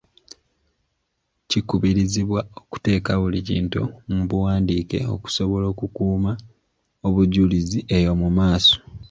Kikubirizibwa okuteeka buli kintu mu buwandiike okusobola okukuuma obujulizi eyo mu maaso.